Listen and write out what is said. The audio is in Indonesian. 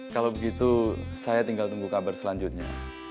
kalau begitu saya tinggal tunggu kabar selanjutnya